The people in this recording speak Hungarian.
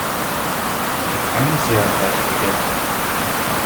Csak nem hiszi el felséged?